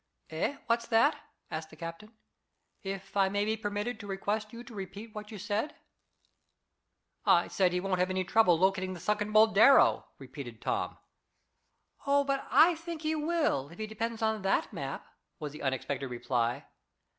"Eh? What's that?" asked the captain, "if I may be permitted to request you to repeat what you said." "I say he won't have any trouble locating the sunken Boldero," repeated Tom. "Oh, but I think he will, if he depends on that map," was the unexpected reply.